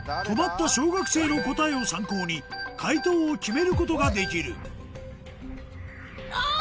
止まった小学生の答えを参考に解答を決めることができるお！